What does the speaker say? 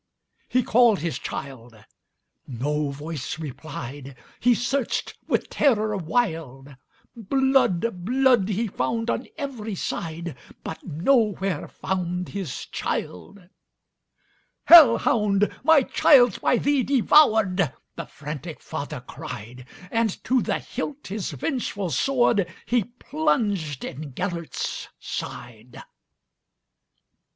He called his child,—no voice replied,—He searched with terror wild; Blood, blood, he found on every side, But nowhere found his child."Hell hound! my child 's by thee devoured,"The frantic father cried; And to the hilt his vengeful swordHe plunged in Gêlert's side.